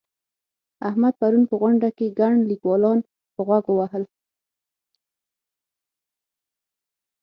احمد پرون په غونډه کې ګڼ ليکوالان په غوږ ووهل.